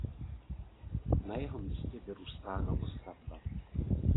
Na jeho místě vyrůstá novostavba.